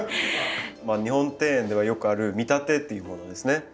日本庭園ではよくある見立てっていうものですね。